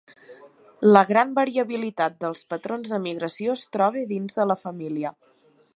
La gran variabilitat dels patrons de migració es troba dins de la família.